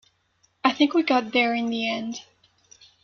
I think we got there in the end.